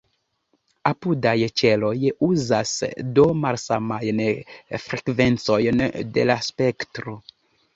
Apudaj ĉeloj uzas do malsamajn frekvencojn de la spektro.